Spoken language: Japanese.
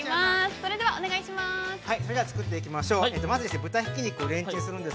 それではお願いします。